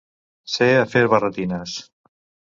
Ser a fer barretines.